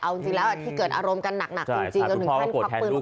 เอาจริงแล้วแบบที่เกิดอารมณ์กันหนักจนถึงเป็นข้อเปลื้องกรู